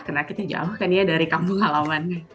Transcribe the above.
karena kita jauh kan ya dari kampung alamannya